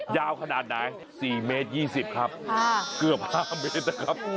ยาวขนาดไหนสี่เมตรยี่สิบครับค่ะเกือบห้าเมตรครับ